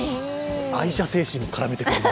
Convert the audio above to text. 愛社精神も絡めてくるな。